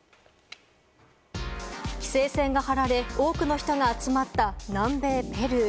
規制線が張られ、多くの人が集まった南米ペルー。